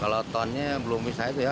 kalau tonnya belum bisa itu ya